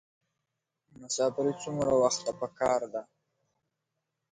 ازادي راډیو د اقلیتونه پرمختګ سنجولی.